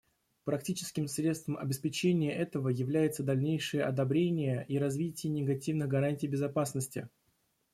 Практическим средством обеспечения этого является дальнейшее одобрение и развитие негативных гарантий безопасности.